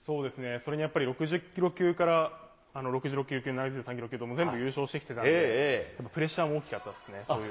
それにやっぱり、６０キロ級から６６キロ級、７３キロ級と全部優勝してきてたので、プレッシャーも大きかったですね、そういう。